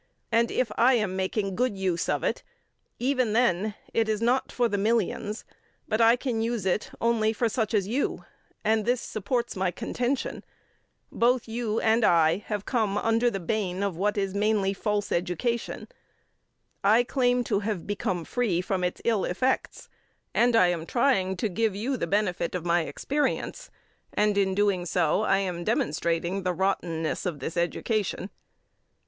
And, if I am making good use of it, even then it is not for the millions, but I can use it only for such as you, and this supports my contention. Both you and I have come under the bane of what is mainly false education. I claim to have become free from its ill effects, and I am trying to give you the benefit of my experience, and, in doing so, I am demonstrating the rottenness of this education.